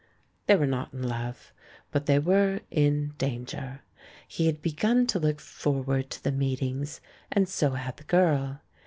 They were not in love, but they were in dan THE BACK OF BOHEMIA 301 ger. He had begun to look forward to the meet ings, and so had the girl.